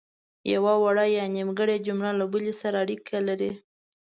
یوه وړه یا نیمګړې جمله له بلې سره اړیکې لري.